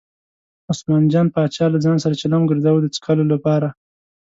عثمان جان پاچا له ځان سره چلم ګرځاوه د څکلو لپاره.